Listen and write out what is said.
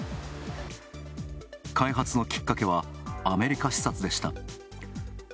開発のきっかけは、アメリカ視察でした。